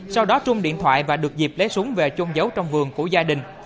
sau đó trung điện thoại và được dịp lấy súng về chôn giấu trong vườn của gia đình